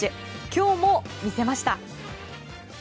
今日も見せました。